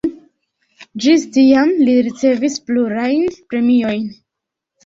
Ĝis tiam li ricevis plurajn premiojn.